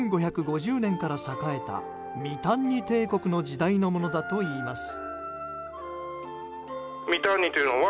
１５５０年から栄えたミタンニ帝国の時代のものだといいます。